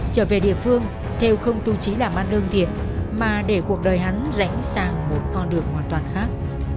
trở về địa phương thêu không tu trí làm ăn đơn thiện mà để cuộc đời hắn rảnh sang một con đường hoàn toàn khác